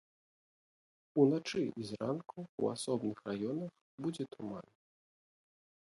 Уначы і зранку ў асобных раёнах будзе туман.